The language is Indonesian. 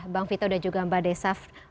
bang vito dan juga mbak desaf